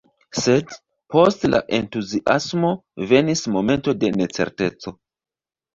Sed, post la entuziasmo, venis momento de necerteco.